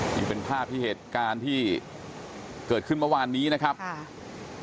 นี่เป็นภาพที่เหตุการณ์ที่เกิดขึ้นเมื่อวานนี้นะครับค่ะ